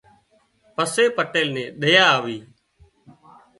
پسي پٽيل نين ۮيا آوي